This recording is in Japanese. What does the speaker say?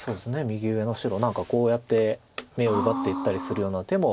右上の白何かこうやって眼を奪っていったりするような手も。